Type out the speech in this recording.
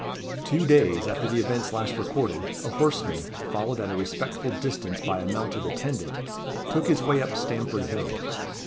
Two days after the events last recorded, a horseman, followed at a respectful distance by a mounted attendant, took his way up Stamford Hill.